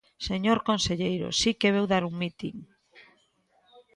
Señor conselleiro, si que veu dar un mitin.